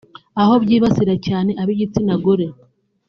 aho byibasira cyane ab’igitsina gore